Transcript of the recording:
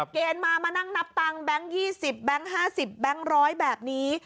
เกณฑ์มามานั่งนับตังค์แบงค์๒๐แบงค์๕๐แบงค์๑๐๐แบบนี้